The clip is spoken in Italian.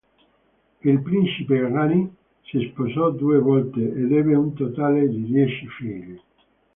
Il principe Gagarin si sposò due volte ed ebbe un totale di dieci figli.